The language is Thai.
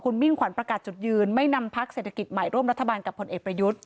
มิ่งขวัญประกาศจุดยืนไม่นำพักเศรษฐกิจใหม่ร่วมรัฐบาลกับผลเอกประยุทธ์